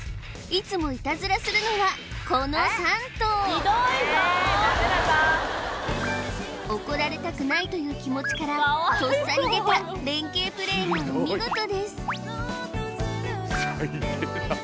いつもイタズラするのはこの３頭怒られたくないという気持ちからとっさに出た連携プレーがお見事です